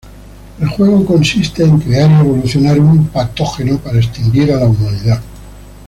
El juego consiste en crear y evolucionar un patógeno para extinguir a la humanidad.